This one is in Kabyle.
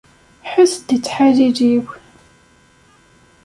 Ḥess-d i ttḥalil-iw!